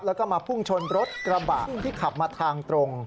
แล้วก็มาพุ่งชนรถกระบะที่ขับมาทางตรง